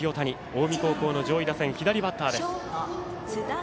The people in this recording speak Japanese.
近江高校の上位打線左バッターです。